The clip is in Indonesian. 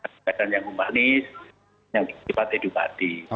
pendekatan yang humanis yang kipat edukasi